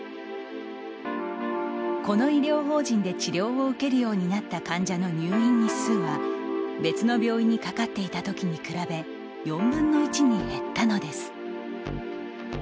この医療法人で治療を受けるようになった患者の入院日数は別の病院にかかっていた時に比べ４分の１に減ったのです。